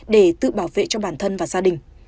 để tự bảo vệ cho bản thân và gia đình